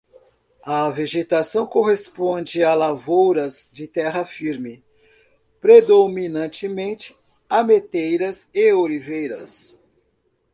A vegetação corresponde a lavouras de terra firme, predominantemente ameteiras e oliveiras.